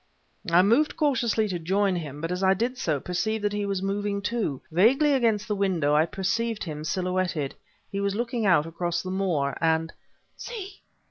I moved cautiously to join him, but as I did so, perceived that he was moving too. Vaguely, against the window I perceived him silhouetted. He was looking out across the moor, and: "See!